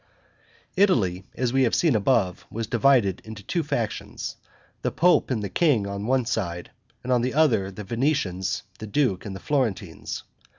Italy, as we have seen above, was divided into two factions; the pope and the king on one side; on the other, the Venetians, the duke, and the Florentines.